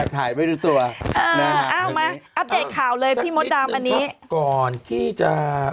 ให้ดูตัวอัพเดทข่าวเลยพี่นี่ก่อนที่จะ